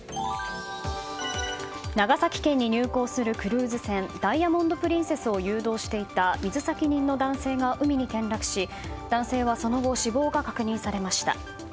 長崎県に入港するクルーズ船「ダイヤモンド・プリンセス」を誘導していた水先人の男性が海に転落し、男性はその後死亡が確認されました。